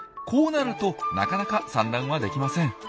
こうなるとなかなか産卵はできません。